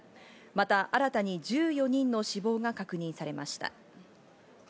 また新たに１４人の死亡が確認されました。